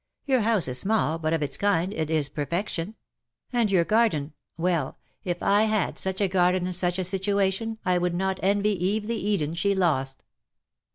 Your house is small, but of its kind it is perfection; and your IN SOCIETY. 179 garden — well, if I had sucli a garden in such a situation I would not envy Eve the Eden she lost.